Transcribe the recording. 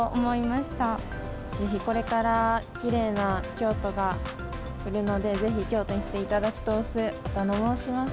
ぜひこれからきれいな京都が来るので、ぜひ京都に来ていただきとおす。